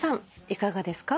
いかがですか？